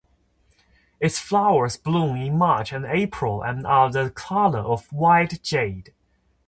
Its flowers bloom in March and April and are the colour of white jade.